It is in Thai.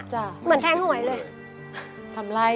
เหมือนแทงหวยเลย